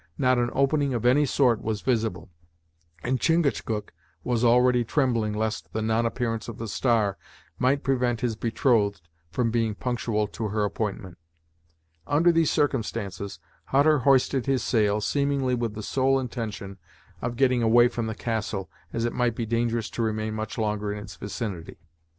Not an opening of any sort was visible, and Chingachgook was already trembling lest the non appearance of the star might prevent his betrothed from being punctual to her appointment. Under these circumstances, Hutter hoisted his sail, seemingly with the sole intention of getting away from the castle, as it might be dangerous to remain much longer in its vicinity.